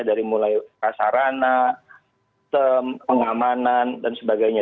dari mulai kasarana pengamanan dan sebagainya